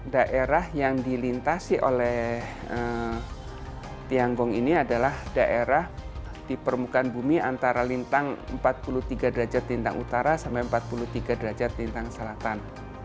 daerah yang dilintasi oleh tianggong ini adalah daerah di permukaan bumi antara lintang empat puluh tiga derajat lintang utara sampai empat puluh tiga derajat lintang selatan